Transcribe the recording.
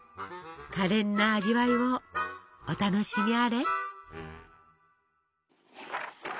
かれんな味わいをお楽しみあれ。